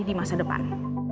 di masa depan